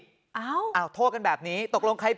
เข้าใจไหมว่ารถมันติดคนจะขึ้น